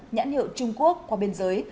nhãn hiệu trung quốc qua biên giới